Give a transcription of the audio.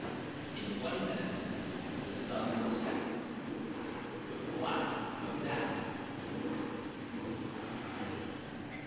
In twenty minutes the sun would set. But what of that?